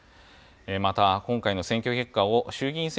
また、今回の選挙結果を衆議院選